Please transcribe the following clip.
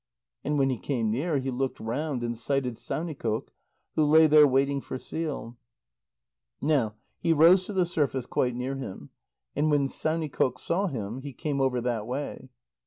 And when he came near, he looked round, and sighted Saunikoq, who lay there waiting for seal. Now he rose to the surface quite near him, and when Saunikoq saw him, he came over that way.